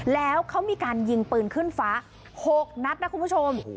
แล้วเขามีการยิงปืนขึ้นฟ้า๖นัดนะคุณผู้ชม